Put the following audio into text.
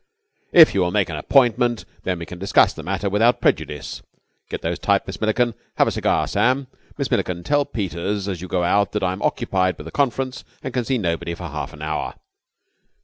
"... If you will make an appointment, when we can discuss the matter without prejudice. Get those typed, Miss Milliken. Have a cigar, Sam. Miss Milliken, tell Peters as you go out that I am occupied with a conference and can see nobody for half an hour."